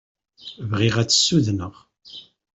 Bɣiɣ ad tt-sudneɣ.